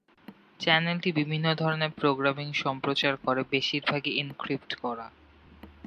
চ্যানেলটি বিভিন্ন ধরণের প্রোগ্রামিং সম্প্রচার করে, বেশিরভাগই এনক্রিপ্ট করা।